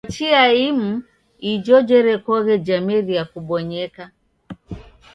Kwa chia imu ijo jerekoghe jameria kubonyeka.